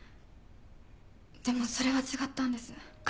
でもそれは違ったんです。